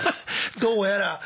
どうやら。